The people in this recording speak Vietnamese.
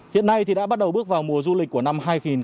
hiện nay đã bắt đầu bước vào mùa du lịch của năm hai nghìn hai mươi hai